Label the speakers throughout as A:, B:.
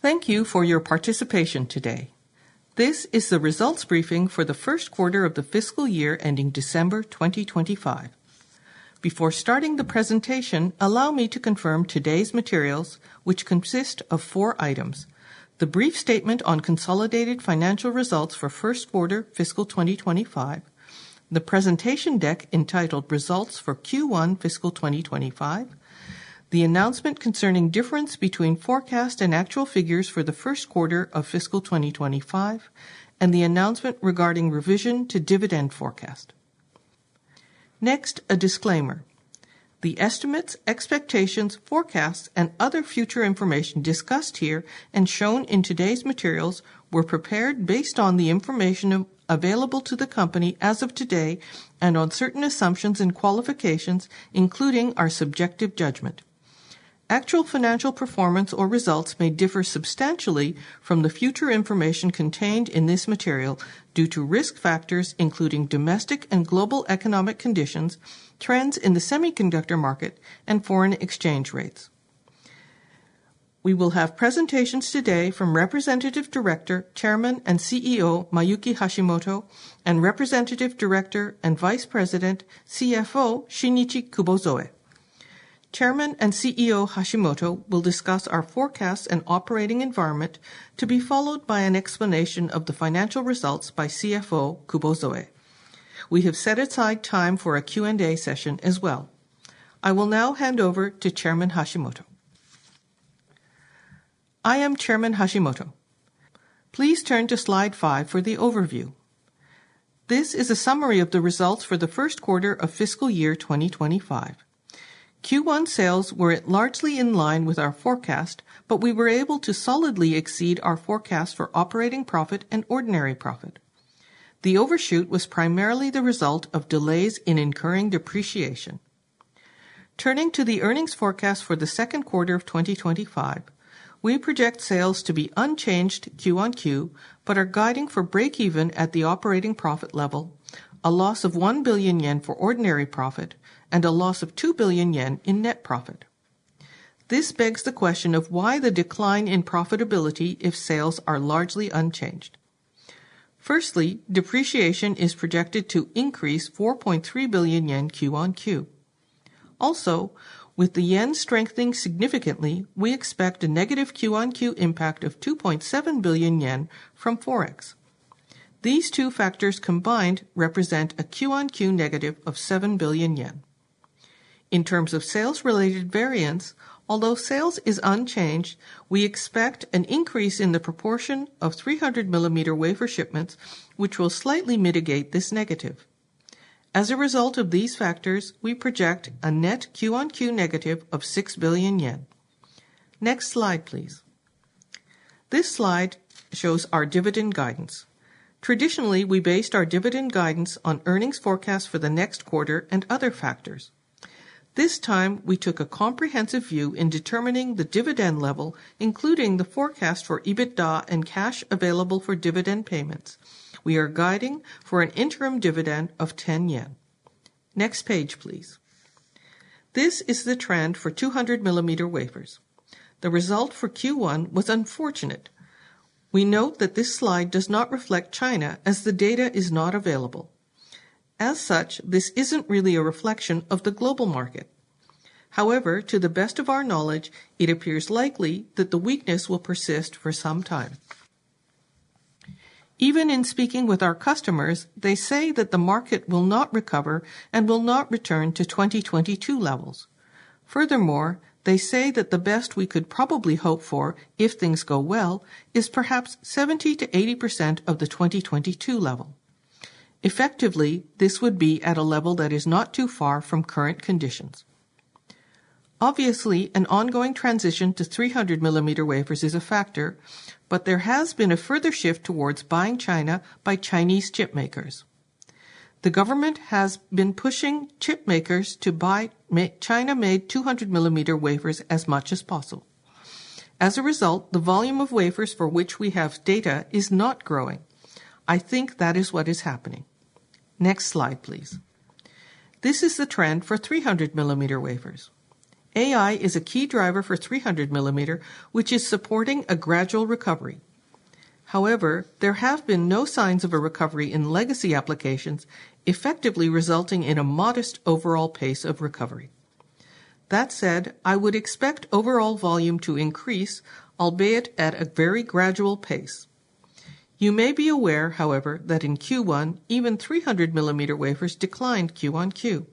A: Thank you for your participation today. This is the results briefing for the first quarter of the fiscal year ending December 2025. Before starting the presentation, allow me to confirm today's materials, which consist of four items: the brief statement on consolidated financial results for first quarter, fiscal 2025; the presentation deck entitled "Results for Q1, Fiscal 2025"; the announcement concerning difference between forecast and actual figures for the first quarter of fiscal 2025; and the announcement regarding revision to dividend forecast. Next, a disclaimer. The estimates, expectations, forecasts, and other future information discussed here and shown in today's materials were prepared based on the information available to the company as of today and on certain assumptions and qualifications, including our subjective judgment. Actual financial performance or results may differ substantially from the future information contained in this material due to risk factors including domestic and global economic conditions, trends in the semiconductor market, and foreign exchange rates. We will have presentations today from Representative Director, Chairman, and CEO Mayuki Hashimoto and Representative Director and Vice President, CFO Shinichi Kubozoe. Chairman and CEO Hashimoto will discuss our forecasts and operating environment, to be followed by an explanation of the financial results by CFO Kubozoe. We have set aside time for a Q&A session as well. I will now hand over to Chairman Hashimoto.
B: I am Chairman Hashimoto. Please turn to slide 5 for the overview. This is a summary of the results for the first quarter of fiscal year 2025. Q1 sales were largely in line with our forecast, but we were able to solidly exceed our forecast for operating profit and ordinary profit. The overshoot was primarily the result of delays in incurring depreciation. Turning to the earnings forecast for the second quarter of 2025, we project sales to be unchanged Q on Q but are guiding for break-even at the operating profit level, a loss of 1 billion yen for ordinary profit, and a loss of 2 billion yen in net profit. This begs the question of why the decline in profitability if sales are largely unchanged. Firstly, depreciation is projected to increase 4.3 billion yen Q on Q. Also, with the Yen strengthening significantly, we expect a negative Q on Q impact of 2.7 billion yen from Forex. These two factors combined represent a Q on Q negative of 7 billion yen. In terms of sales-related variance, although sales is unchanged, we expect an increase in the proportion of 300-millimeter wafer shipments, which will slightly mitigate this negative. As a result of these factors, we project a net Q on Q negative of 6 billion yen. Next slide, please. This slide shows our dividend guidance. Traditionally, we based our dividend guidance on earnings forecasts for the next quarter and other factors. This time, we took a comprehensive view in determining the dividend level, including the forecast for EBITDA and cash available for dividend payments. We are guiding for an interim dividend of 10 yen. Next page, please. This is the trend for 200-millimeter wafers. The result for Q1 was unfortunate. We note that this slide does not reflect China as the data is not available. As such, this is not really a reflection of the global market. However, to the best of our knowledge, it appears likely that the weakness will persist for some time. Even in speaking with our customers, they say that the market will not recover and will not return to 2022 levels. Furthermore, they say that the best we could probably hope for, if things go well, is perhaps 70%-80% of the 2022 level. Effectively, this would be at a level that is not too far from current conditions. Obviously, an ongoing transition to 300-millimeter wafers is a factor, but there has been a further shift towards buying China by Chinese chipmakers. The government has been pushing chipmakers to buy China-made 200-millimeter wafers as much as possible. As a result, the volume of wafers for which we have data is not growing. I think that is what is happening. Next slide, please. This is the trend for 300-millimeter wafers. AI is a key driver for 300-millimeter, which is supporting a gradual recovery. However, there have been no signs of a recovery in legacy applications, effectively resulting in a modest overall pace of recovery. That said, I would expect overall volume to increase, albeit at a very gradual pace. You may be aware, however, that in Q1, even 300-millimeter wafers declined Q on Q.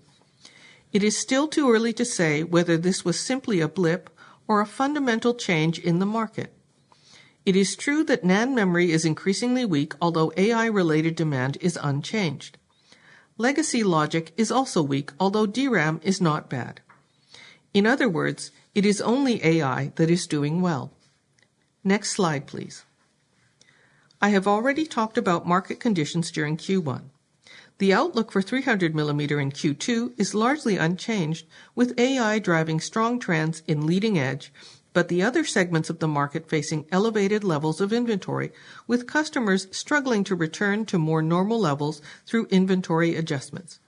B: It is still too early to say whether this was simply a blip or a fundamental change in the market. It is true that NAND memory is increasingly weak, although AI-related demand is unchanged. Legacy logic is also weak, although DRAM is not bad. In other words, it is only AI that is doing well. Next slide, please. I have already talked about market conditions during Q1. The outlook for 300-millimeter in Q2 is largely unchanged, with AI driving strong trends in leading edge, but the other segments of the market facing elevated levels of inventory, with customers struggling to return to more normal levels through inventory adjustments.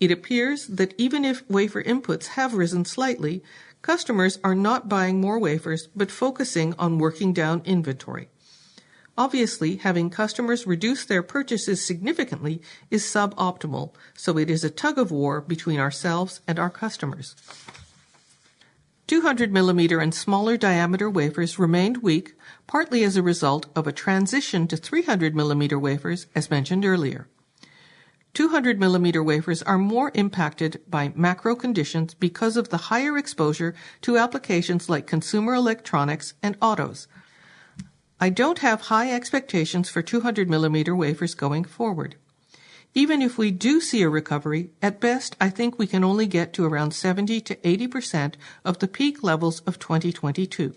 B: It appears that even if wafer inputs have risen slightly, customers are not buying more wafers but focusing on working down inventory. Obviously, having customers reduce their purchases significantly is suboptimal, so it is a tug-of-war between ourselves and our customers. 200-millimeter and smaller diameter wafers remained weak, partly as a result of a transition to 300-millimeter wafers, as mentioned earlier. 200-millimeter wafers are more impacted by macro conditions because of the higher exposure to applications like consumer electronics and autos. I do not have high expectations for 200-millimeter wafers going forward. Even if we do see a recovery, at best, I think we can only get to around 70-80% of the peak levels of 2022.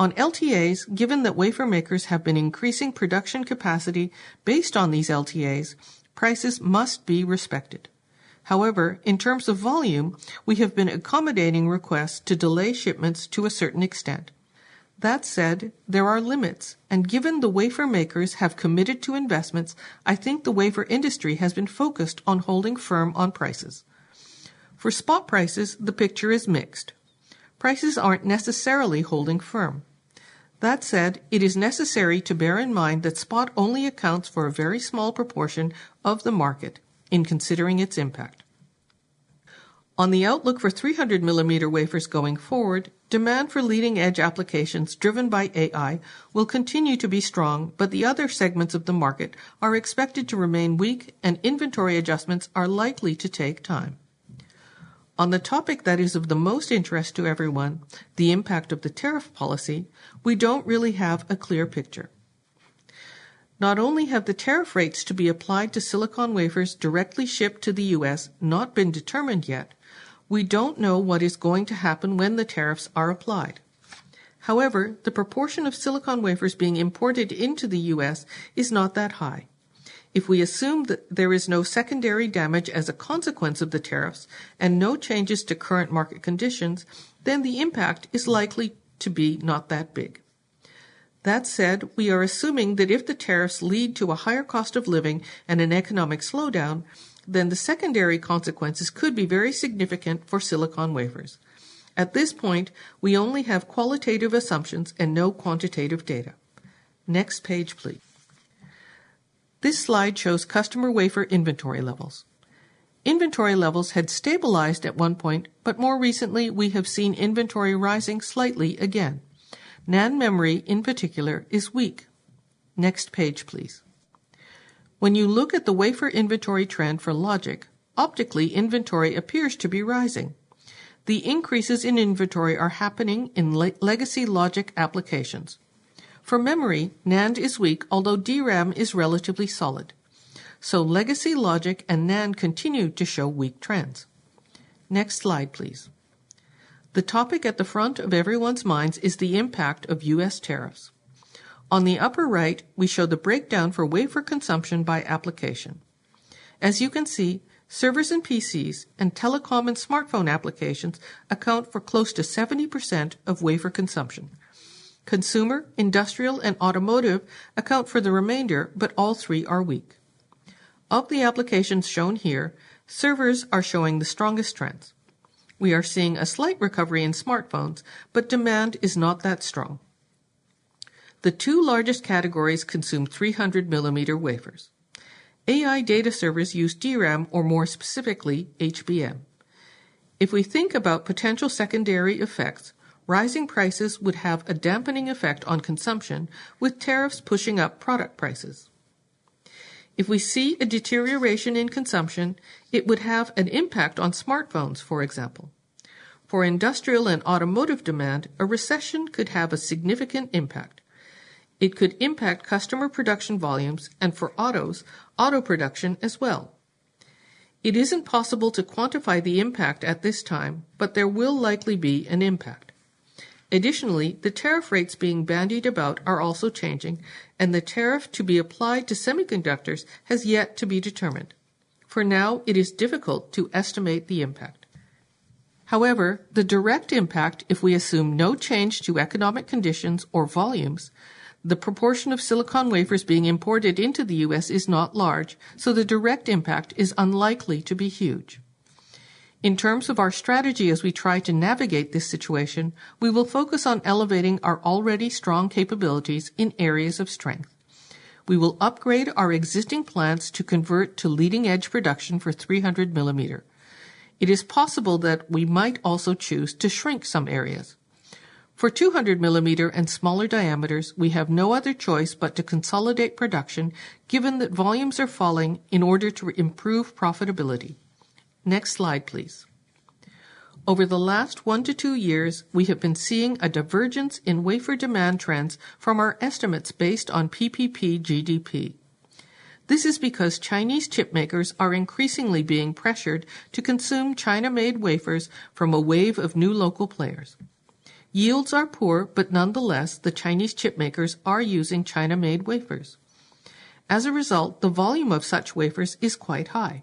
B: On LTAs, given that wafer makers have been increasing production capacity based on these LTAs, prices must be respected. However, in terms of volume, we have been accommodating requests to delay shipments to a certain extent. That said, there are limits, and given the wafer makers have committed to investments, I think the wafer industry has been focused on holding firm on prices. For spot prices, the picture is mixed. Prices are not necessarily holding firm. That said, it is necessary to bear in mind that spot only accounts for a very small proportion of the market in considering its impact. On the outlook for 300-millimeter wafers going forward, demand for leading-edge applications driven by AI will continue to be strong, but the other segments of the market are expected to remain weak, and inventory adjustments are likely to take time. On the topic that is of the most interest to everyone, the impact of the tariff policy, we don't really have a clear picture. Not only have the tariff rates to be applied to silicon wafers directly shipped to the U.S. not been determined yet, we don't know what is going to happen when the tariffs are applied. However, the proportion of silicon wafers being imported into the U.S. is not that high. If we assume that there is no secondary damage as a consequence of the tariffs and no changes to current market conditions, then the impact is likely to be not that big. That said, we are assuming that if the tariffs lead to a higher cost of living and an economic slowdown, then the secondary consequences could be very significant for silicon wafers. At this point, we only have qualitative assumptions and no quantitative data. Next page, please. This slide shows customer wafer inventory levels. Inventory levels had stabilized at one point, but more recently, we have seen inventory rising slightly again. NAND memory, in particular, is weak. Next page, please. When you look at the wafer inventory trend for logic, optically, inventory appears to be rising. The increases in inventory are happening in legacy logic applications. For memory, NAND is weak, although DRAM is relatively solid. Legacy logic and NAND continue to show weak trends. Next slide, please. The topic at the front of everyone's minds is the impact of U.S. tariffs. On the upper right, we show the breakdown for wafer consumption by application. As you can see, servers and PCs and telecom and smartphone applications account for close to 70% of wafer consumption. Consumer, industrial, and automotive account for the remainder, but all three are weak. Of the applications shown here, servers are showing the strongest trends. We are seeing a slight recovery in smartphones, but demand is not that strong. The two largest categories consume 300-millimeter wafers. AI data servers use DRAM, or more specifically, HBM. If we think about potential secondary effects, rising prices would have a dampening effect on consumption, with tariffs pushing up product prices. If we see a deterioration in consumption, it would have an impact on smartphones, for example. For industrial and automotive demand, a recession could have a significant impact. It could impact customer production volumes, and for autos, auto production as well. It isn't possible to quantify the impact at this time, but there will likely be an impact. Additionally, the tariff rates being bandied about are also changing, and the tariff to be applied to semiconductors has yet to be determined. For now, it is difficult to estimate the impact. However, the direct impact, if we assume no change to economic conditions or volumes, the proportion of silicon wafers being imported into the U.S. is not large, so the direct impact is unlikely to be huge. In terms of our strategy as we try to navigate this situation, we will focus on elevating our already strong capabilities in areas of strength. We will upgrade our existing plants to convert to leading-edge production for 300-millimeter. It is possible that we might also choose to shrink some areas. For 200-millimeter and smaller diameters, we have no other choice but to consolidate production, given that volumes are falling, in order to improve profitability. Next slide, please. Over the last one to two years, we have been seeing a divergence in wafer demand trends from our estimates based on PPP GDP. This is because Chinese chipmakers are increasingly being pressured to consume China-made wafers from a wave of new local players. Yields are poor, but nonetheless, the Chinese chipmakers are using China-made wafers. As a result, the volume of such wafers is quite high.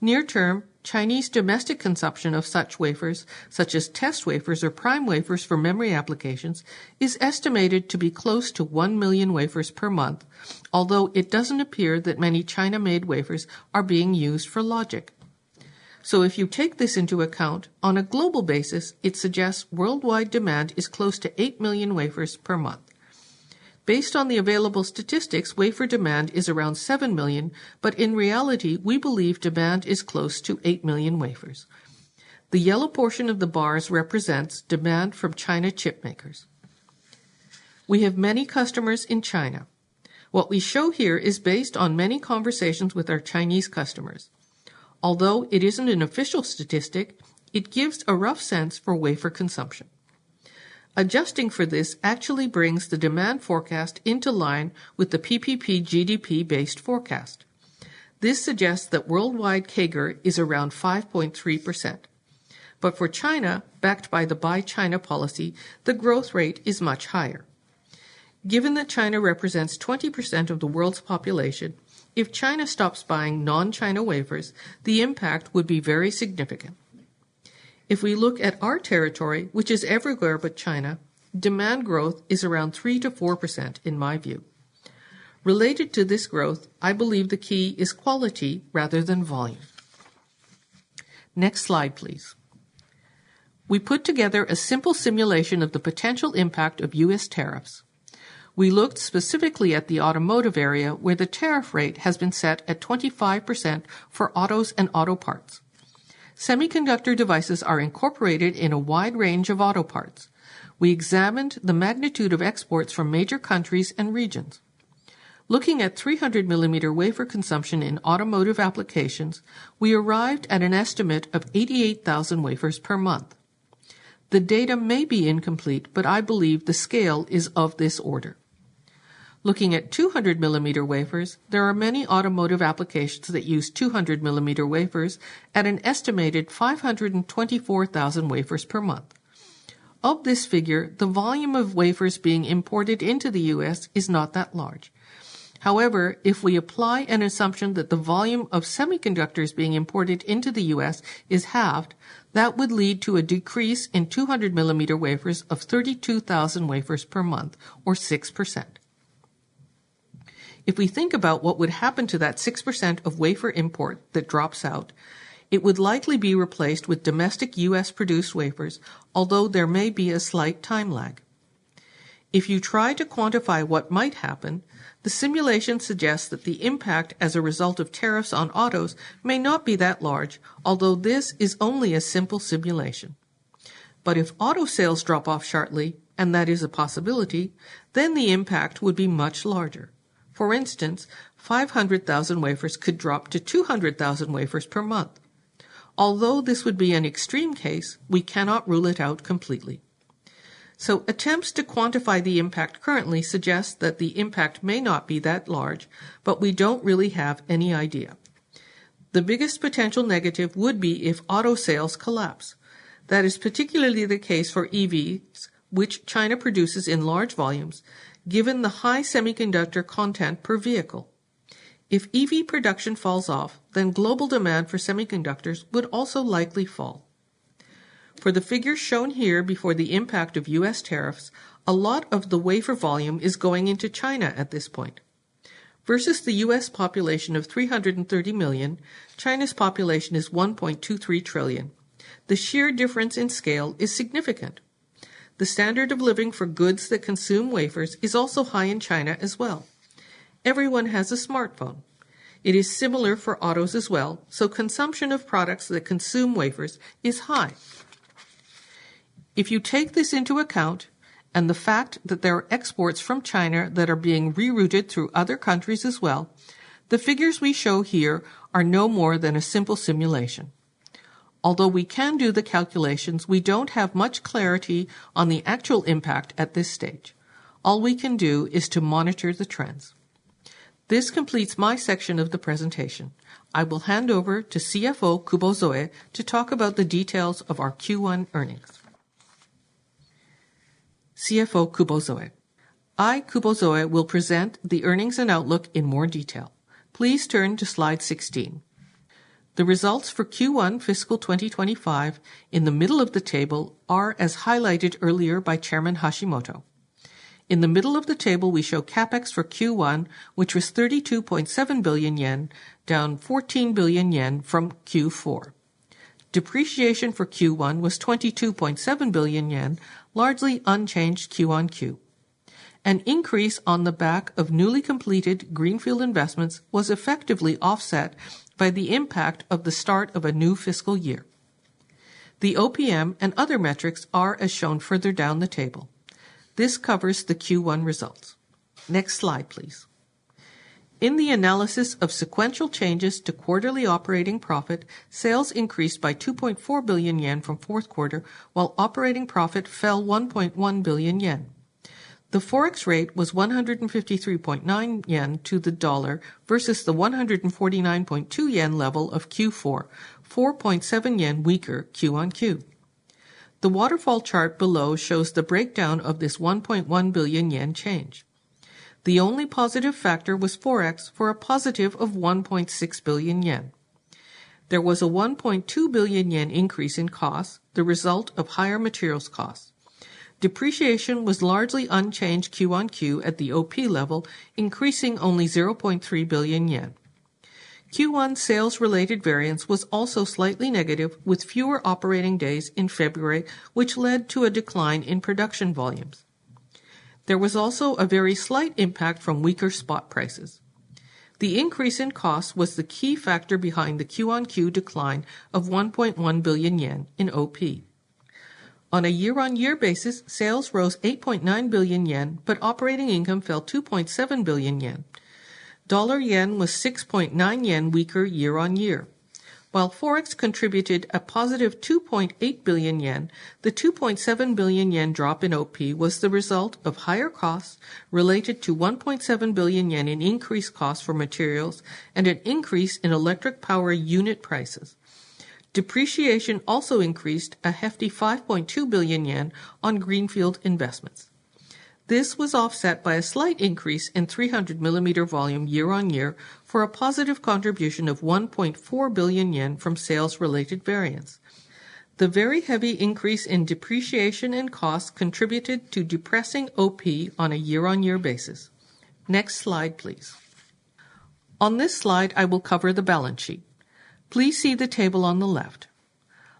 B: Near-term, Chinese domestic consumption of such wafers, such as test wafers or prime wafers for memory applications, is estimated to be close to 1 million wafers per month, although it doesn't appear that many China-made wafers are being used for logic. If you take this into account, on a global basis, it suggests worldwide demand is close to 8 million wafers per month. Based on the available statistics, wafer demand is around 7 million, but in reality, we believe demand is close to 8 million wafers. The yellow portion of the bars represents demand from China chipmakers. We have many customers in China. What we show here is based on many conversations with our Chinese customers. Although it is not an official statistic, it gives a rough sense for wafer consumption. Adjusting for this actually brings the demand forecast into line with the PPP GDP-based forecast. This suggests that worldwide CAGR is around 5.3%. For China, backed by the Buy China policy, the growth rate is much higher. Given that China represents 20% of the world's population, if China stops buying non-China wafers, the impact would be very significant. If we look at our territory, which is everywhere but China, demand growth is around 3%-4%, in my view. Related to this growth, I believe the key is quality rather than volume. Next slide, please. We put together a simple simulation of the potential impact of U.S. tariffs. We looked specifically at the automotive area, where the tariff rate has been set at 25% for autos and auto parts. Semiconductor devices are incorporated in a wide range of auto parts. We examined the magnitude of exports from major countries and regions. Looking at 300-millimeter wafer consumption in automotive applications, we arrived at an estimate of 88,000 wafers per month. The data may be incomplete, but I believe the scale is of this order. Looking at 200-millimeter wafers, there are many automotive applications that use 200-millimeter wafers at an estimated 524,000 wafers per month. Of this figure, the volume of wafers being imported into the U.S. is not that large. However, if we apply an assumption that the volume of semiconductors being imported into the U.S. is halved, that would lead to a decrease in 200-millimeter wafers of 32,000 wafers per month, or 6%. If we think about what would happen to that 6% of wafer import that drops out, it would likely be replaced with domestic U.S.-produced wafers, although there may be a slight time lag. If you try to quantify what might happen, the simulation suggests that the impact as a result of tariffs on autos may not be that large, although this is only a simple simulation. If auto sales drop off sharply, and that is a possibility, then the impact would be much larger. For instance, 500,000 wafers could drop to 200,000 wafers per month. Although this would be an extreme case, we cannot rule it out completely. Attempts to quantify the impact currently suggest that the impact may not be that large, but we do not really have any idea. The biggest potential negative would be if auto sales collapse. That is particularly the case for EVs, which China produces in large volumes, given the high semiconductor content per vehicle. If EV production falls off, then global demand for semiconductors would also likely fall. For the figure shown here before the impact of U.S. tariffs, a lot of the wafer volume is going into China at this point. Versus the U.S. population of 330 million, China's population is 1.23 billion. The sheer difference in scale is significant. The standard of living for goods that consume wafers is also high in China as well. Everyone has a smartphone. It is similar for autos as well, so consumption of products that consume wafers is high. If you take this into account and the fact that there are exports from China that are being rerouted through other countries as well, the figures we show here are no more than a simple simulation. Although we can do the calculations, we do not have much clarity on the actual impact at this stage. All we can do is to monitor the trends. This completes my section of the presentation. I will hand over to CFO Kubozoe to talk about the details of our Q1 earnings.
C: CFO Kubozoe. I, Kubozoe, will present the earnings and outlook in more detail. Please turn to slide 16. The results for Q1 fiscal 2025 in the middle of the table are as highlighted earlier by Chairman Hashimoto. In the middle of the table, we show CapEx for Q1, which was 32.7 billion yen, down 14 billion yen from Q4. Depreciation for Q1 was 22.7 billion yen, largely unchanged Q on Q. An increase on the back of newly completed Greenfield Investments was effectively offset by the impact of the start of a new fiscal year. The OPM and other metrics are as shown further down the table. This covers the Q1 results. Next slide, please. In the analysis of sequential changes to quarterly operating profit, sales increased by 2.4 billion yen from fourth quarter, while operating profit fell 1.1 billion yen. The forex rate was 153.9 yen to the dollar versus the 149.2 yen level of Q4, 4.7 Yen weaker Q on Q. The waterfall chart below shows the breakdown of this 1.1 billion yen change. The only positive factor was forex for a positive of 1.6 billion yen. There was a 1.2 billion yen increase in costs, the result of higher materials costs. Depreciation was largely unchanged Q on Q at the OP level, increasing only 0.3 billion yen. Q1 sales-related variance was also slightly negative, with fewer operating days in February, which led to a decline in production volumes. There was also a very slight impact from weaker spot prices. The increase in costs was the key factor behind the Q on Q decline of 1.1 billion yen in OP. On a year-on-year basis, sales rose 8.9 billion yen, but operating income fell 2.7 billion yen. Dollar-Yen was 6.9 Yen weaker year-on-year. While forex contributed a positive 2.8 billion yen, the 2.7 billion yen drop in OP was the result of higher costs related to 1.7 billion yen in increased costs for materials and an increase in electric power unit prices. Depreciation also increased a hefty 5.2 billion yen on Greenfield Investments. This was offset by a slight increase in 300-millimeter volume year-on-year for a positive contribution of 1.4 billion yen from sales-related variance. The very heavy increase in depreciation and costs contributed to depressing OP on a year-on-year basis. Next slide, please. On this slide, I will cover the balance sheet. Please see the table on the left.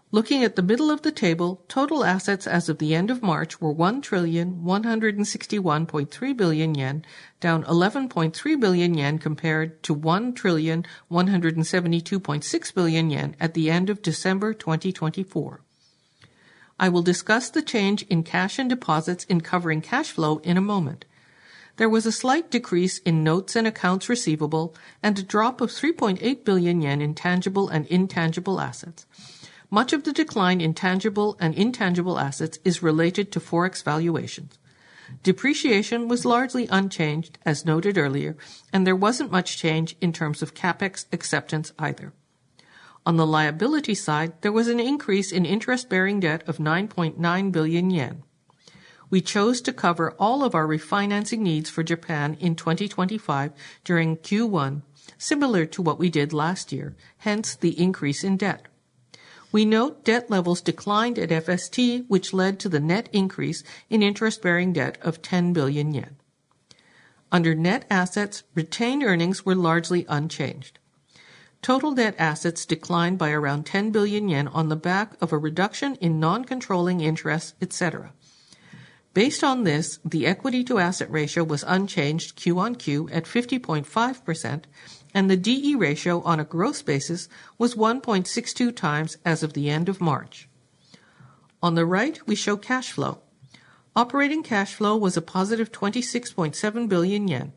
C: Looking at the middle of the table, total assets as of the end of March were 1 trillion 161.3 billion, down 11.3 billion yen compared to 1 trillion 172.6 billion at the end of December 2024. I will discuss the change in cash and deposits in covering cash flow in a moment. There was a slight decrease in notes and accounts receivable and a drop of 3.8 billion yen in tangible and intangible assets. Much of the decline in tangible and intangible assets is related to forex valuations. Depreciation was largely unchanged, as noted earlier, and there was not much change in terms of CapEx acceptance either. On the liability side, there was an increase in interest-bearing debt of 9.9 billion yen. We chose to cover all of our refinancing needs for Japan in 2025 during Q1, similar to what we did last year, hence the increase in debt. We note debt levels declined at FST Siltron, which led to the net increase in interest-bearing debt of 10 billion yen. Under net assets, retained earnings were largely unchanged. Total net assets declined by around 10 billion yen on the back of a reduction in non-controlling interest, etc. Based on this, the equity-to-asset ratio was unchanged Q on Q at 50.5%, and the DE ratio on a gross basis was 1.62 times as of the end of March. On the right, we show cash flow. Operating cash flow was a positive 26.7 billion yen.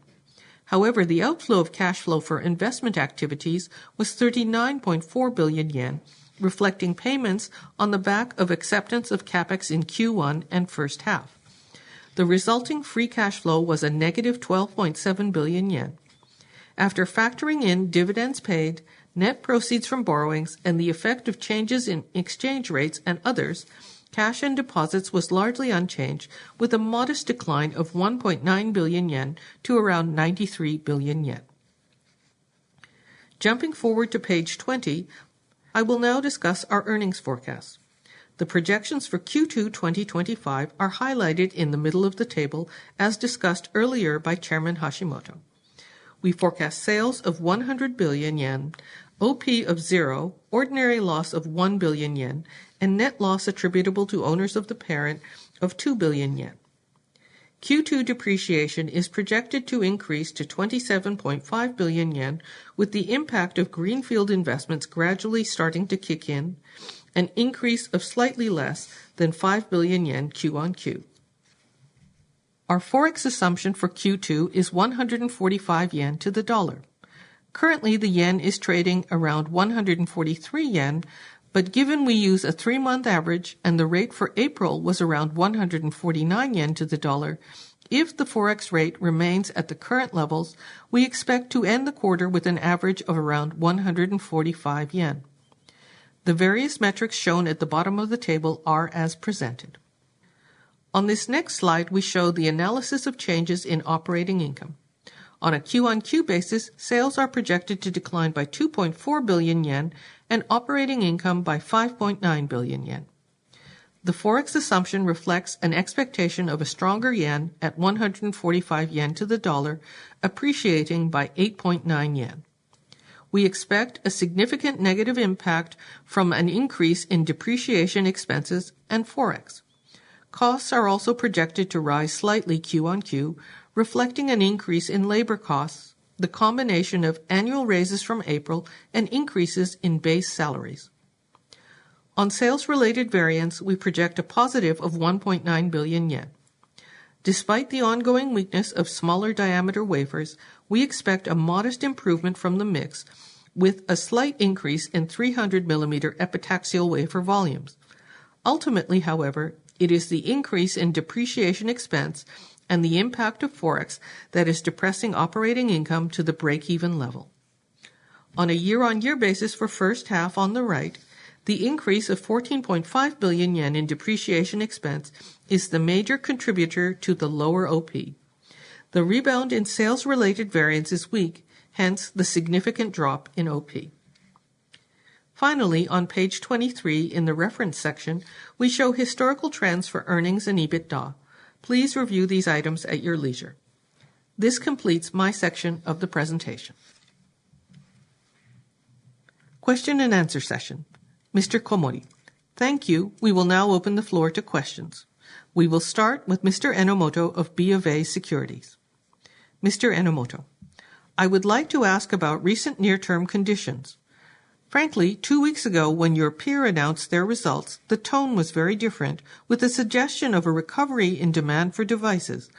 C: However, the outflow of cash flow for investment activities was 39.4 billion yen, reflecting payments on the back of acceptance of CapEx in Q1 and first half. The resulting free cash flow was a negative 12.7 billion yen. After factoring in dividends paid, net proceeds from borrowings, and the effect of changes in exchange rates and others, cash and deposits was largely unchanged, with a modest decline of 1.9 billion yen to around 93 billion yen. Jumping forward to page 20, I will now discuss our earnings forecasts. The projections for Q2 2025 are highlighted in the middle of the table, as discussed earlier by Chairman Hashimoto. We forecast sales of 100 billion yen, OP of zero, ordinary loss of 1 billion yen, and net loss attributable to owners of the parent of 2 billion yen. Q2 depreciation is projected to increase to 27.5 billion yen, with the impact of Greenfield Investments gradually starting to kick in, an increase of slightly less than 5 billion yen quarter on quarter. Our forex assumption for Q2 is 145 yen to the dollar. Currently, the Yen is trading around 143 yen, but given we use a three-month average and the rate for April was around 149 yen to the dollar, if the forex rate remains at the current levels, we expect to end the quarter with an average of around 145 yen. The various metrics shown at the bottom of the table are as presented. On this next slide, we show the analysis of changes in operating income. On a Q on Q basis, sales are projected to decline by 2.4 billion yen and operating income by 5.9 billion yen. The forex assumption reflects an expectation of a stronger Yen at 145 yen to the dollar, appreciating by 8.9 yen. We expect a significant negative impact from an increase in depreciation expenses and forex. Costs are also projected to rise slightly Q on Q, reflecting an increase in labor costs, the combination of annual raises from April, and increases in base salaries. On sales-related variance, we project a positive of 1.9 billion yen. Despite the ongoing weakness of smaller diameter wafers, we expect a modest improvement from the mix, with a slight increase in 300-millimeter epitaxial wafer volumes. Ultimately, however, it is the increase in depreciation expense and the impact of forex that is depressing operating income to the break-even level. On a year-on-year basis for first half on the right, the increase of 14.5 billion yen in depreciation expense is the major contributor to the lower OP. The rebound in sales-related variance is weak, hence the significant drop in OP. Finally, on page 23 in the reference section, we show historical trends for earnings and EBITDA. Please review these items at your leisure. This completes my section of the presentation.
A: Question and answer session. Mr. Komori, thank you. We will now open the floor to questions. We will start with Mr. Enomoto of BofA Securities.
D: Mr. Enomoto, I would like to ask about recent near-term conditions. Frankly, two weeks ago when your peer announced their results, the tone was very different, with a suggestion of a recovery in demand for devices.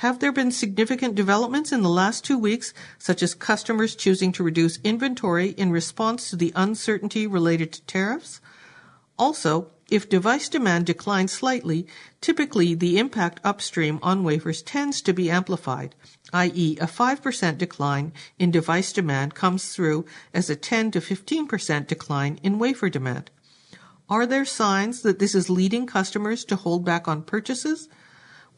D: Have there been significant developments in the last two weeks, such as customers choosing to reduce inventory in response to the uncertainty related to tariffs? Also, if device demand declines slightly, typically the impact upstream on wafers tends to be amplified, i.e., a 5% decline in device demand comes through as a 10%-15% decline in wafer demand. Are there signs that this is leading customers to hold back on purchases?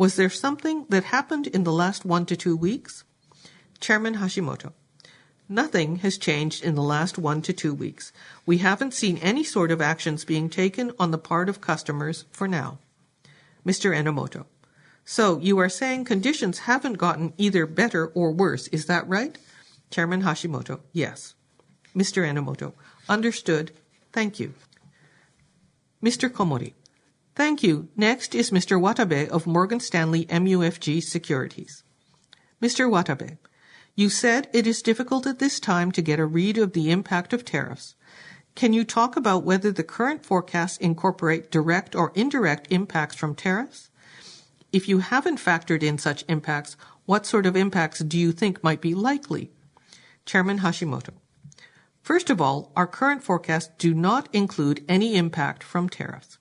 D: Was there something that happened in the last one to two weeks?
B: Chairman Hashimoto, nothing has changed in the last one to two weeks. We haven't seen any sort of actions being taken on the part of customers for now.
D: Mr. Enomoto, so you are saying conditions haven't gotten either better or worse, is that right?
B: Chairman Hashimoto, yes
D: Mr. Enomoto, understood. Thank you. Mr. Komori, thank you.
A: Next is Mr. Watabe of Morgan Stanley MUFG Securities.
E: Mr. Watabe, you said it is difficult at this time to get a read of the impact of tariffs. Can you talk about whether the current forecasts incorporate direct or indirect impacts from tariffs? If you haven't factored in such impacts, what sort of impacts do you think might be likely?
B: Chairman Hashimoto, first of all, our current forecasts do not include any impact from tariffs.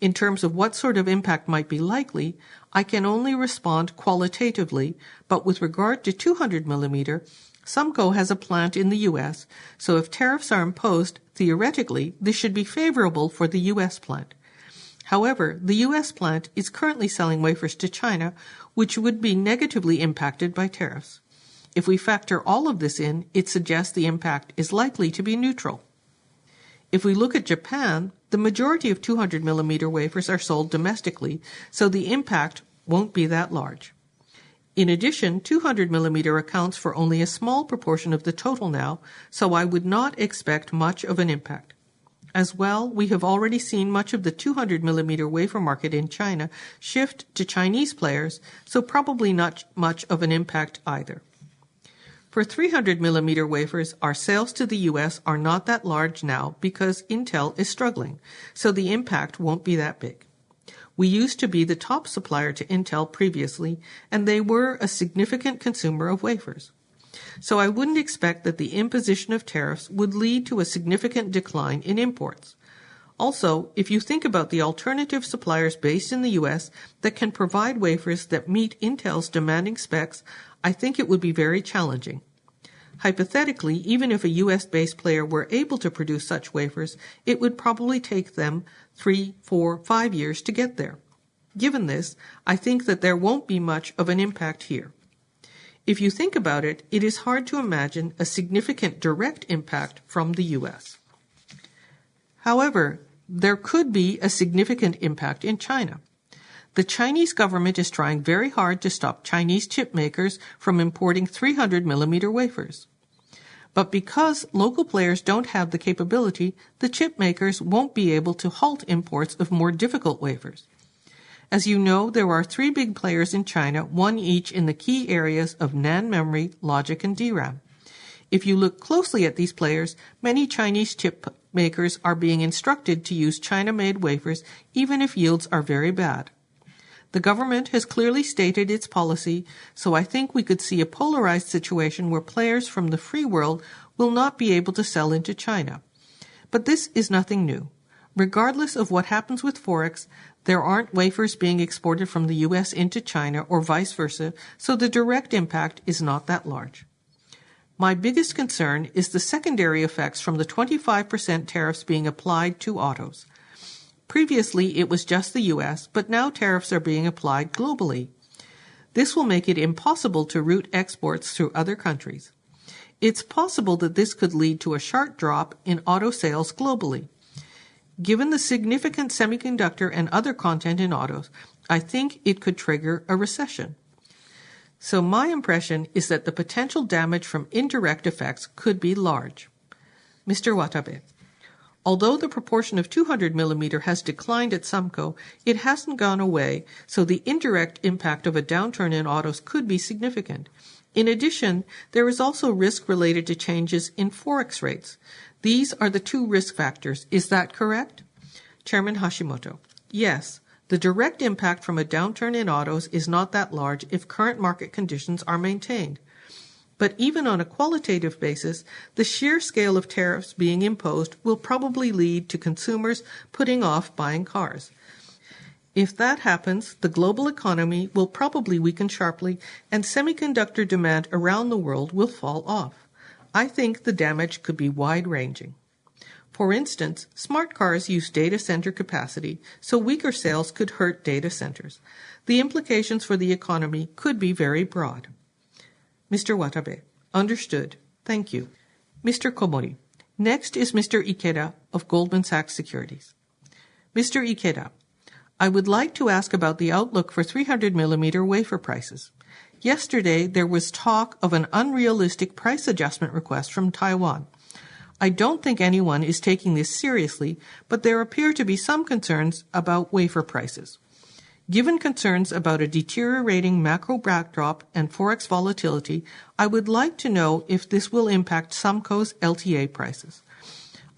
B: In terms of what sort of impact might be likely, I can only respond qualitatively, but with regard to 200-millimeter, SUMCO has a plant in the U.S., so if tariffs are imposed, theoretically, this should be favorable for the U.S. plant. However, the U.S. plant is currently selling wafers to China, which would be negatively impacted by tariffs. If we factor all of this in, it suggests the impact is likely to be neutral. If we look at Japan, the majority of 200-millimeter wafers are sold domestically, so the impact will not be that large. In addition, 200-millimeter accounts for only a small proportion of the total now, so I would not expect much of an impact. As well, we have already seen much of the 200-millimeter wafer market in China shift to Chinese players, so probably not much of an impact either. For 300-millimeter wafers, our sales to the U.S. are not that large now because Intel is struggling, so the impact won't be that big. We used to be the top supplier to Intel previously, and they were a significant consumer of wafers. I wouldn't expect that the imposition of tariffs would lead to a significant decline in imports. Also, if you think about the alternative suppliers based in the U.S. that can provide wafers that meet Intel's demanding specs, I think it would be very challenging. Hypothetically, even if a U.S.-based player were able to produce such wafers, it would probably take them three, four, five years to get there. Given this, I think that there won't be much of an impact here. If you think about it, it is hard to imagine a significant direct impact from the U.S. However, there could be a significant impact in China. The Chinese government is trying very hard to stop Chinese chipmakers from importing 300-millimeter wafers. However, because local players do not have the capability, the chipmakers will not be able to halt imports of more difficult wafers. As you know, there are three big players in China, one each in the key areas of NAND memory, logic, and DRAM. If you look closely at these players, many Chinese chipmakers are being instructed to use China-made wafers, even if yields are very bad. The government has clearly stated its policy, so I think we could see a polarized situation where players from the free world will not be able to sell into China. This is nothing new. Regardless of what happens with forex, there are not wafers being exported from the U.S. into China or vice versa, so the direct impact is not that large. My biggest concern is the secondary effects from the 25% tariffs being applied to autos. Previously, it was just the U.S., but now tariffs are being applied globally. This will make it impossible to route exports through other countries. It's possible that this could lead to a sharp drop in auto sales globally. Given the significant semiconductor and other content in autos, I think it could trigger a recession. My impression is that the potential damage from indirect effects could be large.
E: Mr. Watabe, although the proportion of 200-millimeter has declined at SUMCO, it hasn't gone away, so the indirect impact of a downturn in autos could be significant. In addition, there is also risk related to changes in forex rates. These are the two risk factors. Is that correct?
B: Chairman Hashimoto, yes. The direct impact from a downturn in autos is not that large if current market conditions are maintained. Even on a qualitative basis, the sheer scale of tariffs being imposed will probably lead to consumers putting off buying cars. If that happens, the global economy will probably weaken sharply, and semiconductor demand around the world will fall off. I think the damage could be wide-ranging. For instance, smart cars use data center capacity, so weaker sales could hurt data centers. The implications for the economy could be very broad.
E: Mr. Watabe, understood. Thank you.
B: Mr. Komori, next is Mr. Ikeda of Goldman Sachs Securities.
F: Mr. Ikeda, I would like to ask about the outlook for 300-millimeter wafer prices. Yesterday, there was talk of an unrealistic price adjustment request from Taiwan. I do not think anyone is taking this seriously, but there appear to be some concerns about wafer prices. Given concerns about a deteriorating macro backdrop and forex volatility, I would like to know if this will impact SUMCO's LTA prices.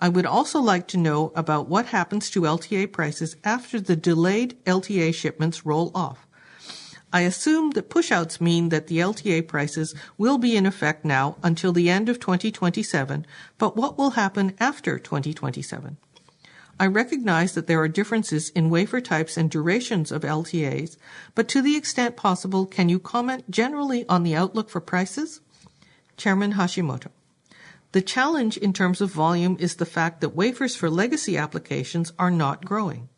F: I would also like to know about what happens to LTA prices after the delayed LTA shipments roll off. I assume the push-outs mean that the LTA prices will be in effect now until the end of 2027, but what will happen after 2027? I recognize that there are differences in wafer types and durations of LTAs, but to the extent possible, can you comment generally on the outlook for prices?
B: Chairman Hashimoto, the challenge in terms of volume is the fact that wafers for legacy applications are not growing.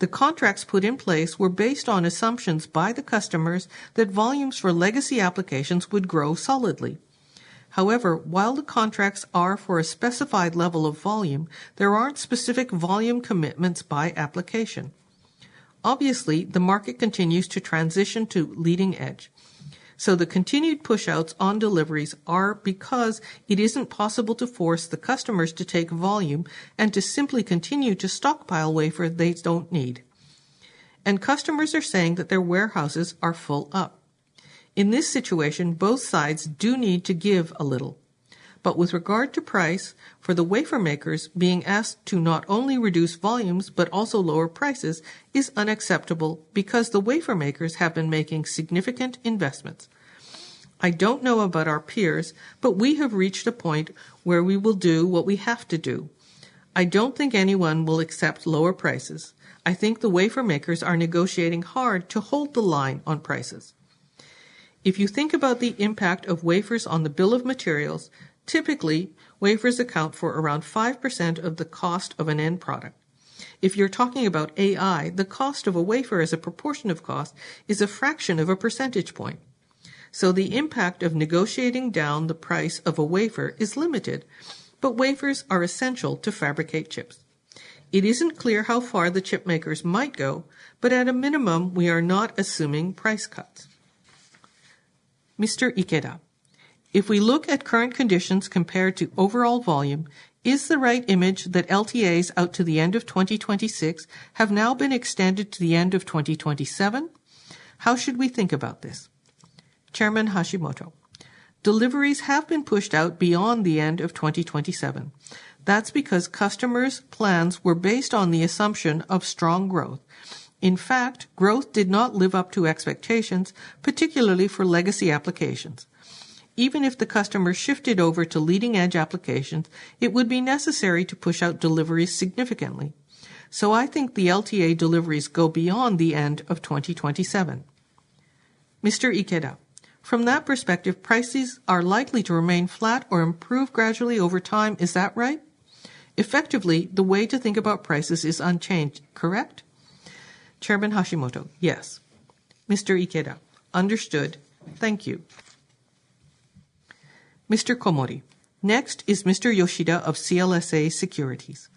B: The contracts put in place were based on assumptions by the customers that volumes for legacy applications would grow solidly. However, while the contracts are for a specified level of volume, there aren't specific volume commitments by application. Obviously, the market continues to transition to leading edge, so the continued push-outs on deliveries are because it is not possible to force the customers to take volume and to simply continue to stockpile wafer they do not need. Customers are saying that their warehouses are full up. In this situation, both sides do need to give a little. With regard to price, for the wafer makers being asked to not only reduce volumes but also lower prices is unacceptable because the wafer makers have been making significant investments. I do not know about our peers, but we have reached a point where we will do what we have to do. I do not think anyone will accept lower prices. I think the wafer makers are negotiating hard to hold the line on prices. If you think about the impact of wafers on the bill of materials, typically, wafers account for around 5% of the cost of an end product. If you're talking about AI, the cost of a wafer as a proportion of cost is a fraction of a percentage point. The impact of negotiating down the price of a wafer is limited, but wafers are essential to fabricate chips. It isn't clear how far the chipmakers might go, but at a minimum, we are not assuming price cuts.
F: Mr. Ikeda, if we look at current conditions compared to overall volume, is the right image that LTAs out to the end of 2026 have now been extended to the end of 2027? How should we think about this?
B: Chairman Hashimoto, deliveries have been pushed out beyond the end of 2027. That is because customers' plans were based on the assumption of strong growth. In fact, growth did not live up to expectations, particularly for legacy applications. Even if the customers shifted over to leading-edge applications, it would be necessary to push out deliveries significantly. I think the LTA deliveries go beyond the end of 2027.
F: Mr. Ikeda, from that perspective, prices are likely to remain flat or improve gradually over time. Is that right? Effectively, the way to think about prices is unchanged, correct?
B: Chairman Hashimoto, yes.
F: Mr. Ikeda, understood.
A: Thank you. Mr. Komori, next is Mr. Yoshida of CLSA Securities.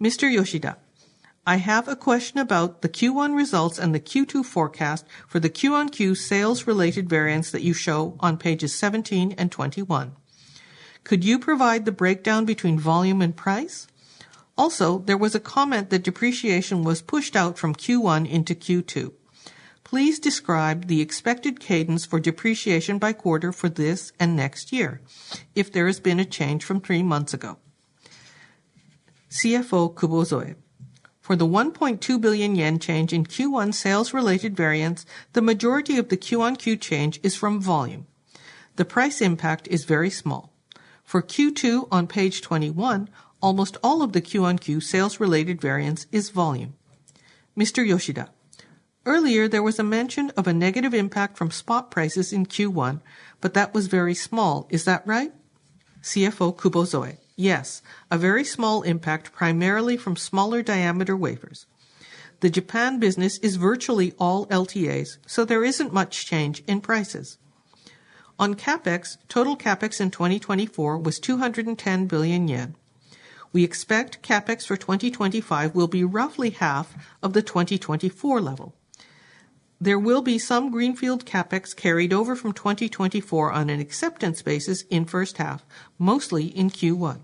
G: Mr. Yoshida, I have a question about the Q1 results and the Q2 forecast for the Q1Q sales-related variance that you show on pages 17 and 21. Could you provide the breakdown between volume and price? Also, there was a comment that depreciation was pushed out from Q1 into Q2. Please describe the expected cadence for depreciation by quarter for this and next year, if there has been a change from three months ago.
C: CFO Kubozoe, for the 1.2 billion yen change in Q1 sales-related variance, the majority of the Q1Q change is from volume. The price impact is very small. For Q2 on page 21, almost all of the Q1Q sales-related variance is volume.
G: Mr. Yoshida, earlier, there was a mention of a negative impact from spot prices in Q1, but that was very small. Is that right?
C: CFO Kubozoe, yes, a very small impact primarily from smaller diameter wafers. The Japan business is virtually all LTAs, so there is not much change in prices. On CapEx, total CapEx in 2024 was 210 billion yen. We expect CapEx for 2025 will be roughly half of the 2024 level. There will be some greenfield CapEx carried over from 2024 on an acceptance basis in the first half, mostly in Q1.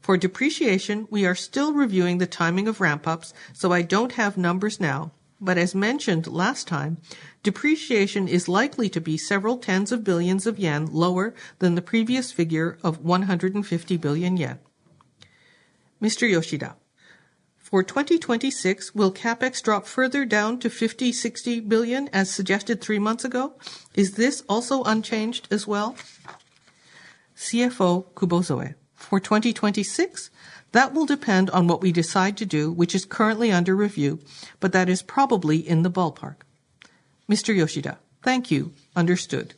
C: For depreciation, we are still reviewing the timing of ramp-ups, so I do not have numbers now, but as mentioned last time, depreciation is likely to be several tens of billions of Yen lower than the previous figure of 150 billion yen.
G: Mr. Yoshida, for 2026, will CapEx drop further down to 50 billion-60 billion as suggested three months ago? Is this also unchanged as well?
C: CFO Kubozoe, for 2026, that will depend on what we decide to do, which is currently under review, but that is probably in the ballpark.
G: Mr. Yoshida, thank you. Understood.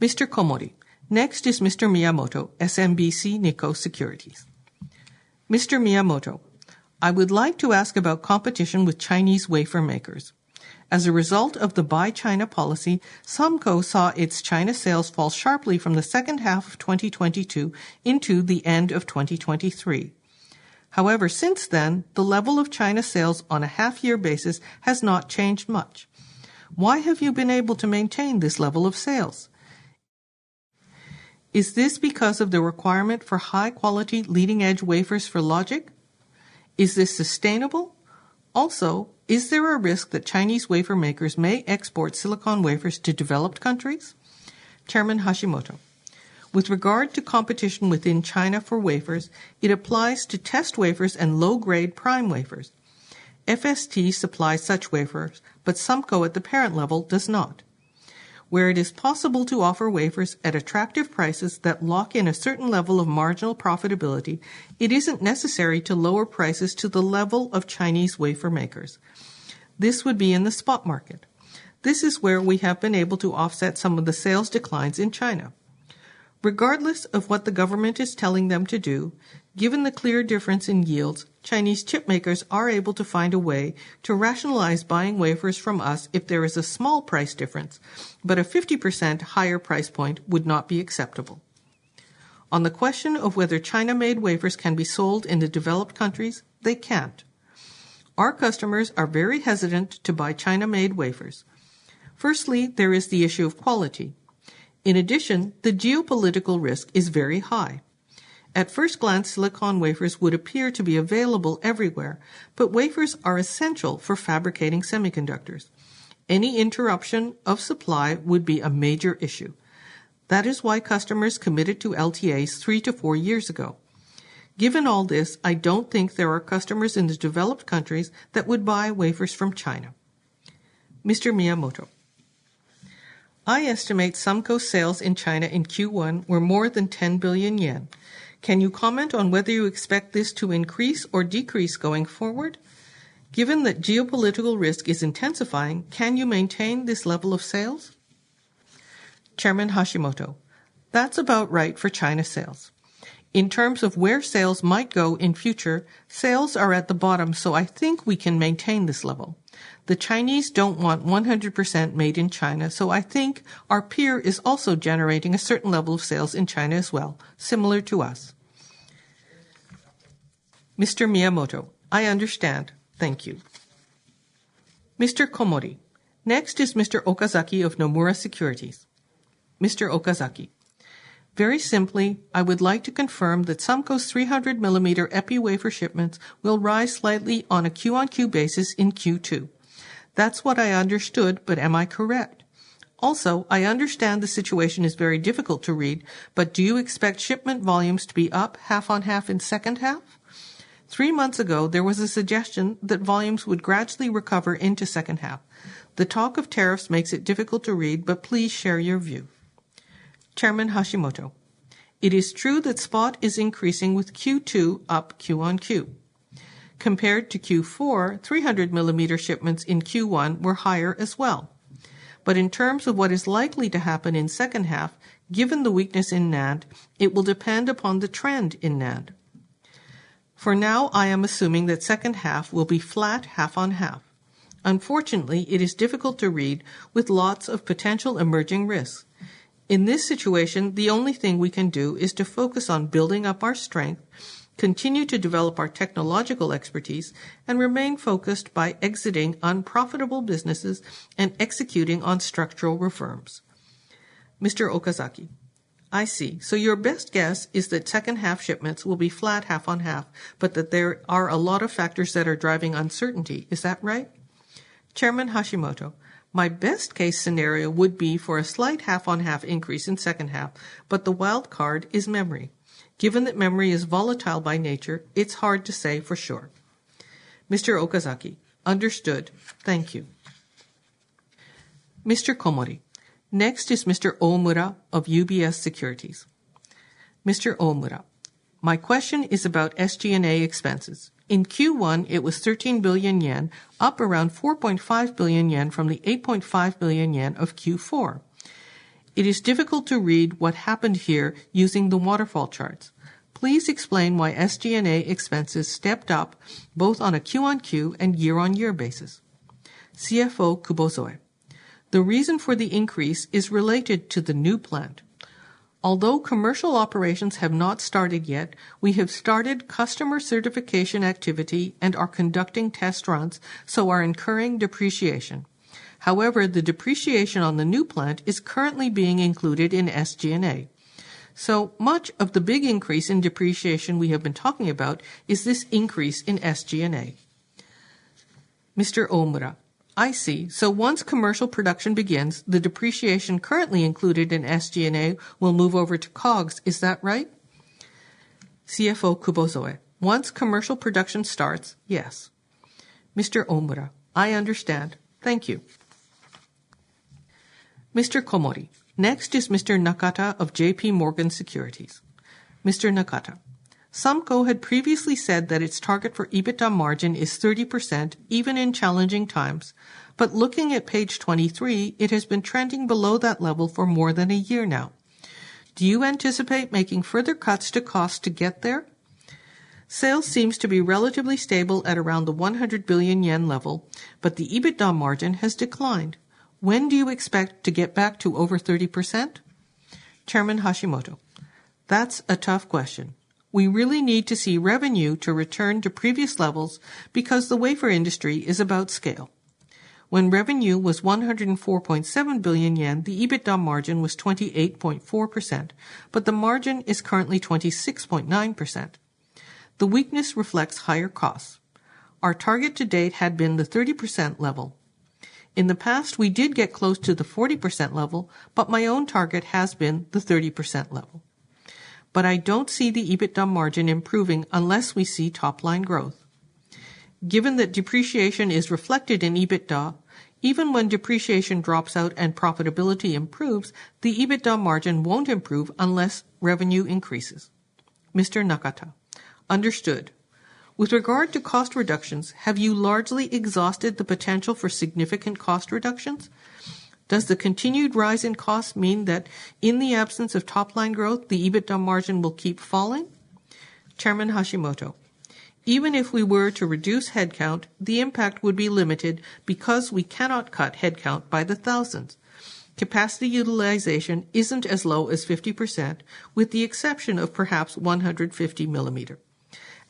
A: Mr. Komori, next is Mr. Miyamoto, SMBC NIKKO Securities.
H: Mr. Miyamoto, I would like to ask about competition with Chinese wafer makers. As a result of the Buy China policy, SUMCO saw its China sales fall sharply from the second half of 2022 into the end of 2023. However, since then, the level of China sales on a half-year basis has not changed much. Why have you been able to maintain this level of sales? Is this because of the requirement for high-quality leading-edge wafers for logic? Is this sustainable? Also, is there a risk that Chinese wafer makers may export silicon wafers to developed countries?
B: Chairman Hashimoto, with regard to competition within China for wafers, it applies to test wafers and low-grade prime wafers. FST supplies such wafers, but SUMCO at the parent level does not. Where it is possible to offer wafers at attractive prices that lock in a certain level of marginal profitability, it isn't necessary to lower prices to the level of Chinese wafer makers. This would be in the spot market. This is where we have been able to offset some of the sales declines in China. Regardless of what the government is telling them to do, given the clear difference in yields, Chinese chipmakers are able to find a way to rationalize buying wafers from us if there is a small price difference, but a 50% higher price point would not be acceptable. On the question of whether China-made wafers can be sold in the developed countries, they can't. Our customers are very hesitant to buy China-made wafers. Firstly, there is the issue of quality. In addition, the geopolitical risk is very high. At first glance, silicon wafers would appear to be available everywhere, but wafers are essential for fabricating semiconductors. Any interruption of supply would be a major issue. That is why customers committed to LTAs three to four years ago. Given all this, I don't think there are customers in the developed countries that would buy wafers from China.
H: Mr. Miyamoto, I estimate SUMCO's sales in China in Q1 were more than 10 billion yen. Can you comment on whether you expect this to increase or decrease going forward? Given that geopolitical risk is intensifying, can you maintain this level of sales?
B: Chairman Hashimoto, that's about right for China sales. In terms of where sales might go in future, sales are at the bottom, so I think we can maintain this level. The Chinese don't want 100% made in China, so I think our peer is also generating a certain level of sales in China as well, similar to us.
H: Mr. Miyamoto, I understand.
A: Thank you. Mr. Komori, next is Mr. Okazaki of Nomura Securities.
I: Mr. Okazaki, very simply, I would like to confirm that SUMCO's 300-millimeter EPI wafer shipments will rise slightly on a Q1Q basis in Q2. That's what I understood, but am I correct? Also, I understand the situation is very difficult to read, but do you expect shipment volumes to be up half on half in second half? Three months ago, there was a suggestion that volumes would gradually recover into second half. The talk of tariffs makes it difficult to read, but please share your view.
B: Chairman Hashimoto, it is true that spot is increasing with Q2 up Q1Q. Compared to Q4, 300-millimeter shipments in Q1 were higher as well. In terms of what is likely to happen in second half, given the weakness in NAND, it will depend upon the trend in NAND. For now, I am assuming that second half will be flat half on half. Unfortunately, it is difficult to read with lots of potential emerging risks. In this situation, the only thing we can do is to focus on building up our strength, continue to develop our technological expertise, and remain focused by exiting unprofitable businesses and executing on structural reforms.
I: I see. So your best guess is that second half shipments will be flat half on half, but that there are a lot of factors that are driving uncertainty. Is that right?
B: My best-case scenario would be for a slight half on half increase in second half, but the wild card is memory. Given that memory is volatile by nature, it's hard to say for sure.
I: Understood. Thank you.
A: Next is Mr. Omura of UBS Securities.
J: My question is about SG&A expenses. In Q1, it was 13 billion yen, up around 4.5 billion yen from the 8.5 billion yen of Q4. It is difficult to read what happened here using the waterfall charts. Please explain why SG&A expenses stepped up both on a Q1Q and year-on-year basis.
C: CFO Kubozoe, the reason for the increase is related to the new plant. Although commercial operations have not started yet, we have started customer certification activity and are conducting test runs, so are incurring depreciation. However, the depreciation on the new plant is currently being included in SG&A. So much of the big increase in depreciation we have been talking about is this increase in SG&A.
J: Mr. Omura, I see. So once commercial production begins, the depreciation currently included in SG&A will move over to COGS. Is that right?
C: CFO Kubozoe, once commercial production starts, yes.
J: Mr. Omura, I understand. Thank you. Mr.
A: Komori, next is Mr. Nakada of JPMorgan Securities.
K: Mr. Nakada, SUMCO had previously said that its target for EBITDA margin is 30%, even in challenging times, but looking at page 23, it has been trending below that level for more than a year now. Do you anticipate making further cuts to cost to get there? Sales seems to be relatively stable at around 100 billion yen, but the EBITDA margin has declined. When do you expect to get back to over 30%?
B: Chairman Hashimoto, that's a tough question. We really need to see revenue to return to previous levels because the wafer industry is about scale. When revenue was 104.7 billion yen, the EBITDA margin was 28.4%, but the margin is currently 26.9%. The weakness reflects higher costs. Our target to date had been the 30% level. In the past, we did get close to the 40% level, but my own target has been the 30% level. I do not see the EBITDA margin improving unless we see top-line growth. Given that depreciation is reflected in EBITDA, even when depreciation drops out and profitability improves, the EBITDA margin will not improve unless revenue increases.
K: Mr. Nakada, understood. With regard to cost reductions, have you largely exhausted the potential for significant cost reductions? Does the continued rise in costs mean that in the absence of top-line growth, the EBITDA margin will keep falling?
B: Chairman Hashimoto, even if we were to reduce headcount, the impact would be limited because we cannot cut headcount by the thousands. Capacity utilization is not as low as 50%, with the exception of perhaps 150 millimeter.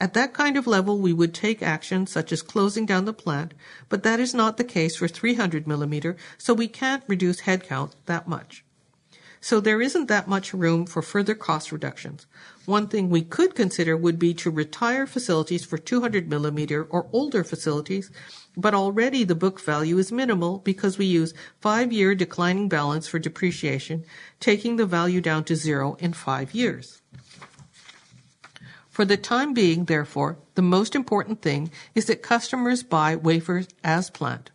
B: At that kind of level, we would take action such as closing down the plant, but that is not the case for 300 millimeter, so we can't reduce headcount that much. There isn't that much room for further cost reductions. One thing we could consider would be to retire facilities for 200 millimeter or older facilities, but already the book value is minimal because we use five-year declining balance for depreciation, taking the value down to zero in five years. For the time being, therefore, the most important thing is that customers buy wafers as planned.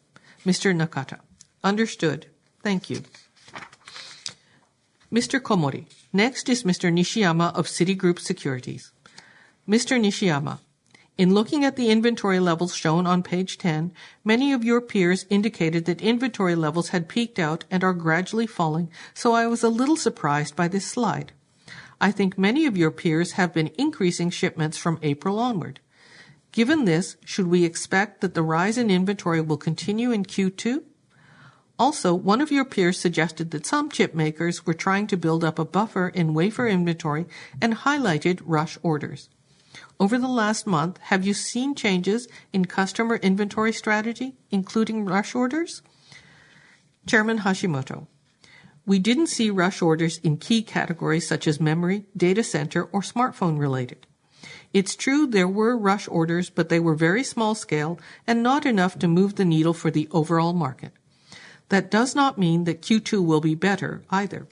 K: Mr. Nakada, understood. Thank you.
A: Mr. Komori, next is Mr. Nishiyama of Citigroup Securities.
L: Mr. Nishiyama, in looking at the inventory levels shown on page 10, many of your peers indicated that inventory levels had peaked out and are gradually falling, so I was a little surprised by this slide. I think many of your peers have been increasing shipments from April onward. Given this, should we expect that the rise in inventory will continue in Q2? Also, one of your peers suggested that some chipmakers were trying to build up a buffer in wafer inventory and highlighted rush orders. Over the last month, have you seen changes in customer inventory strategy, including rush orders?
B: Chairman Hashimoto, we didn't see rush orders in key categories such as memory, data center, or smartphone-related. It's true there were rush orders, but they were very small scale and not enough to move the needle for the overall market. That does not mean that Q2 will be better either.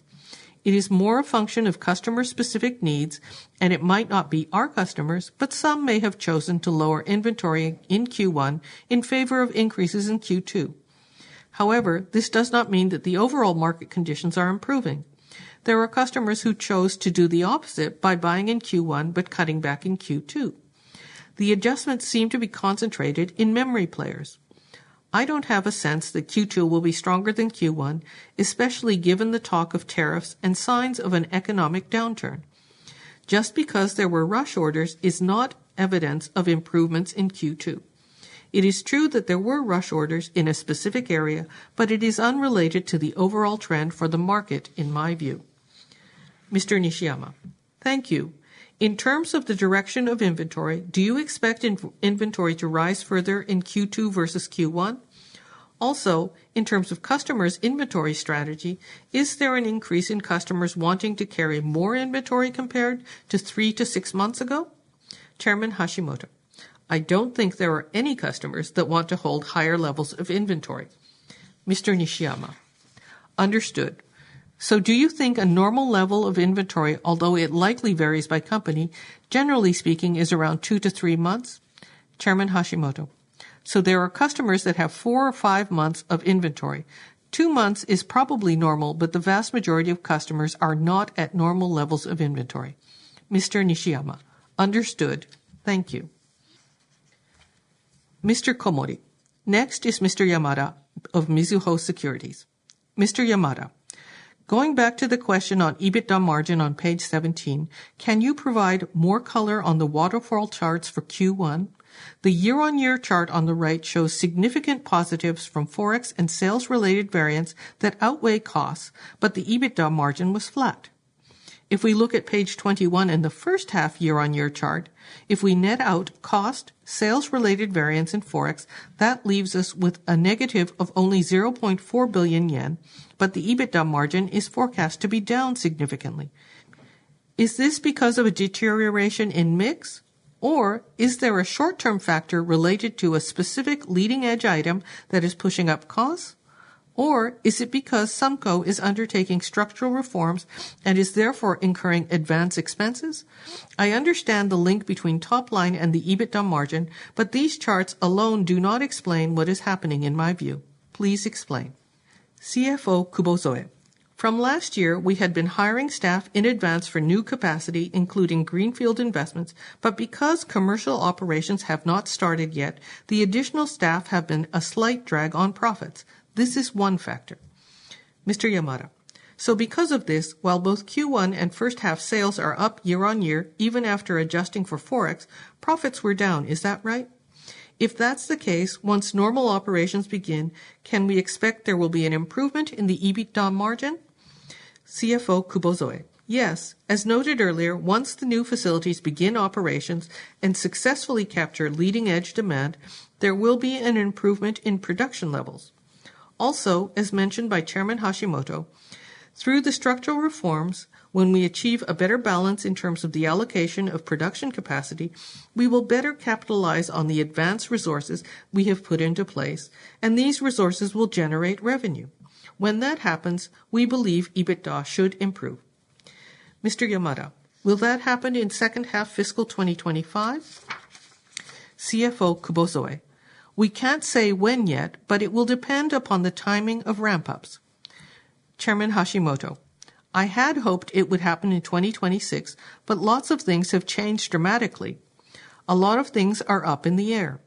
B: It is more a function of customer-specific needs, and it might not be our customers, but some may have chosen to lower inventory in Q1 in favor of increases in Q2. However, this does not mean that the overall market conditions are improving. There are customers who chose to do the opposite by buying in Q1 but cutting back in Q2. The adjustments seem to be concentrated in memory players. I do not have a sense that Q2 will be stronger than Q1, especially given the talk of tariffs and signs of an economic downturn. Just because there were rush orders is not evidence of improvements in Q2. It is true that there were rush orders in a specific area, but it is unrelated to the overall trend for the market, in my view.
L: Mr. Nishiyama, thank you. In terms of the direction of inventory, do you expect inventory to rise further in Q2 versus Q1? Also, in terms of customers' inventory strategy, is there an increase in customers wanting to carry more inventory compared to three to six months ago?
B: Chairman Hashimoto, I do not think there are any customers that want to hold higher levels of inventory.
L: Mr. Nishiyama, understood. Do you think a normal level of inventory, although it likely varies by company, generally speaking, is around two to three months?
B: Chairman Hashimoto, there are customers that have four or five months of inventory. Two months is probably normal, but the vast majority of customers are not at normal levels of inventory.
L: Mr. Nishiyama, understood. Thank you.
A: Mr. Komori, next is Mr. Yamada of Mizuho Securities.
M: Mr. Yamada, going back to the question on EBITDA margin on page 17, can you provide more color on the waterfall charts for Q1? The year-on-year chart on the right shows significant positives from forex and sales-related variance that outweigh costs, but the EBITDA margin was flat. If we look at page 21 in the first half year-on-year chart, if we net out cost, sales-related variance, and forex, that leaves us with a negative of only 0.4 billion yen, but the EBITDA margin is forecast to be down significantly. Is this because of a deterioration in mix, or is there a short-term factor related to a specific leading-edge item that is pushing up costs? Or is it because SUMCO is undertaking structural reforms and is therefore incurring advanced expenses? I understand the link between top-line and the EBITDA margin, but these charts alone do not explain what is happening in my view. Please explain.
C: CFO Kubozoe, from last year, we had been hiring staff in advance for new capacity, including Greenfield Investments, but because commercial operations have not started yet, the additional staff have been a slight drag on profits. This is one factor.
M: Mr. Yamada, because of this, while both Q1 and first half sales are up year-on-year, even after adjusting for forex, profits were down. Is that right? If that's the case, once normal operations begin, can we expect there will be an improvement in the EBITDA margin?
C: CFO Kubozoe, yes. As noted earlier, once the new facilities begin operations and successfully capture leading-edge demand, there will be an improvement in production levels. Also, as mentioned by Chairman Hashimoto, through the structural reforms, when we achieve a better balance in terms of the allocation of production capacity, we will better capitalize on the advanced resources we have put into place, and these resources will generate revenue. When that happens, we believe EBITDA should improve.
M: Mr. Yamada, will that happen in second half fiscal 2025?
C: CFO Kubozoe, we can't say when yet, but it will depend upon the timing of ramp-ups.
B: Chairman Hashimoto, I had hoped it would happen in 2026, but lots of things have changed dramatically. A lot of things are up in the air.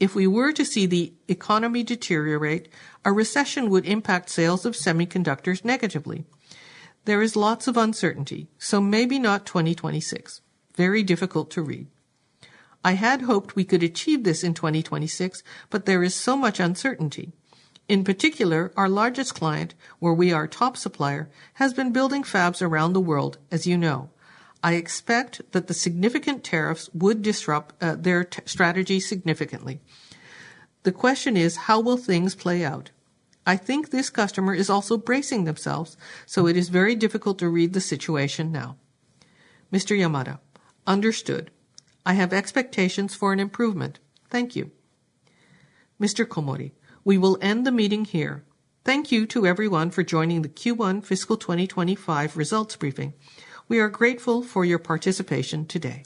B: If we were to see the economy deteriorate, a recession would impact sales of semiconductors negatively. There is lots of uncertainty, so maybe not 2026. Very difficult to read. I had hoped we could achieve this in 2026, but there is so much uncertainty. In particular, our largest client, where we are a top supplier, has been building fabs around the world, as you know. I expect that the significant tariffs would disrupt their strategy significantly. The question is, how will things play out? I think this customer is also bracing themselves, so it is very difficult to read the situation now.
M: Mr. Yamada, understood. I have expectations for an improvement. Thank you.
A: Mr. Komori, we will end the meeting here. Thank you to everyone for joining the Q1 Fiscal 2025 results briefing. We are grateful for your participation today.